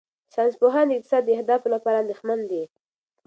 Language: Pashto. ساینسپوهان د اقتصادي اهدافو لپاره اندېښمن دي.